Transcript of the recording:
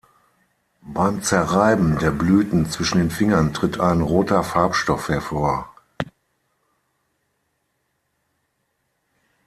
Beim Zerreiben der Blüten zwischen den Fingern tritt ein roter Farbstoff hervor.